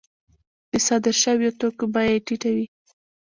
د صادر شویو توکو بیه یې ټیټه وي